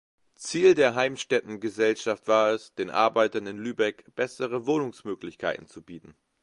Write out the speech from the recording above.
Ziel der Heimstätten-Gesellschaft war es, den Arbeitern in Lübeck bessere Wohnmöglichkeiten zu bieten.